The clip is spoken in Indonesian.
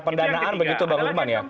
pendanaan begitu bang lukman ya